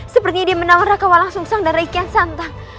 sepertinya dia menangrak kawalan sungsang dan reikian santang